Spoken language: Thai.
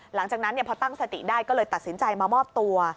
หลังจากนั้นพอตั้งสติได้ก็เลยตัดสินใจมามอบตัว